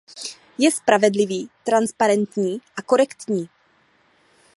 Je spravedlivý, transparentní a korektní.